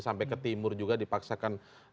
sampai ke timur juga dipaksakan